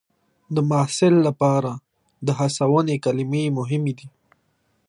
د محصل لپاره د هڅونې کلمې مهمې دي.